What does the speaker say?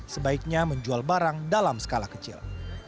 sebaiknya menjual barang dalam skala kecil